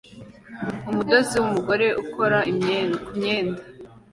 Umudozi wumugore ukora kumyenda